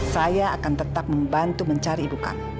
saya akan tetap membantu mencari ibu kak